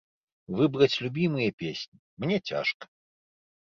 Выбраць любімыя песні мне цяжка.